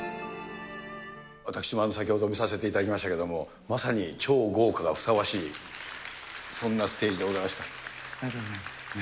私も先ほど、見させていただきましたけれども、まさに超豪華がふさわしい、ありがとうございます。